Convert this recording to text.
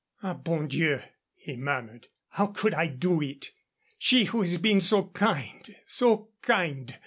"Ah, bon Dieu!" he murmured; "how could I do it! She who has been so kind so kind."